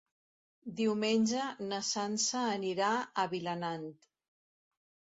Diumenge na Sança anirà a Vilanant.